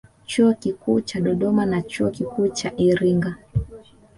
Chuo Kikuu cha Dodoma na Chuo Kikuu cha Iringa